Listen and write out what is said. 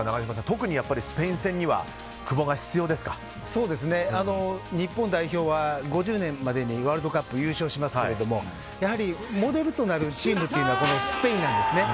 特にスペイン戦には日本代表は５０年までにワールドカップ優勝しますけどやはりモデルとなるチームはスペインなんです。